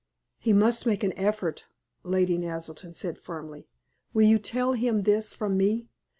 "He must make an effort," Lady Naselton said, firmly. "Will you tell him this from me?